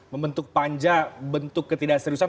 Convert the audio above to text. membentuk panja bentuk ketidak seriusan